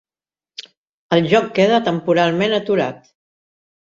El joc queda temporalment aturat.